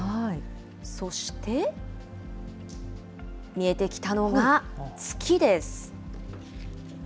そして、見えてきたのが月です。